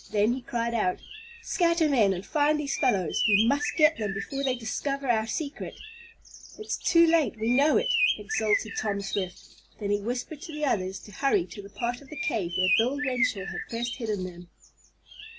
Then he cried out: "Scatter men, and find these fellows! We must get them before they discover our secret!" "It's too late we know it!" exulted Tom Swift. Then he whispered to the others to hurry to the part of the cave where Bill Renshaw had first hidden them.